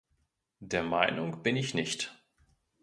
Der Meinung bin ich nicht.